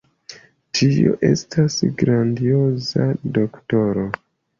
Tio estas grandioza, doktoro!